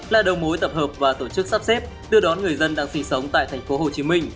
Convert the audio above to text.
là đồng mối tập hợp và tổ chức sắp xếp đưa đón người dân đang sinh sống tại thành phố hồ chí minh